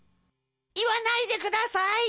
いわないでください。